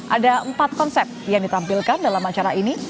ada empat konsep yang ditampilkan dalam acara ini